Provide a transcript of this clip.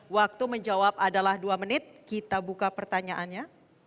waktu menjawab adalah dua menit kita buka pertanyaannya